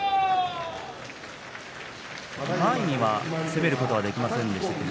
前には攻めることができませんでした。